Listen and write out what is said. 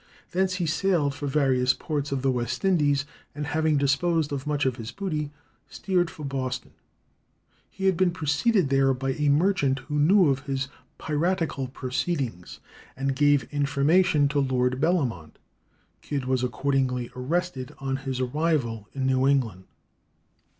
Thence he sailed for various ports of the West Indies, and having disposed of much of his booty, steered for Boston. He had been preceded there by a merchant who knew of his piratical proceedings, and gave information to Lord Bellamont. Kidd was accordingly arrested on his arrival in New England.